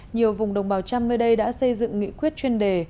nhiều vùng đồng bào trăm nơi đây đã xây dựng nghị quyết chuyên đề